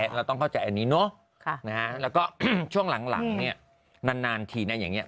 เราต้องเข้าใจอันนี้เนอะแล้วก็ช่วงหลังเนี่ยนานทีนะอย่างนี้